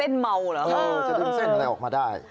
เส้นเมาหรอเออจะดึงเส้นอะไรออกมาได้